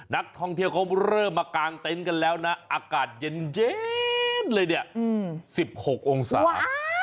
นักท่องเที่ยวเขาเริ่มมากางเต็นต์กันแล้วนะอากาศเย็นเลยเนี่ย๑๖องศา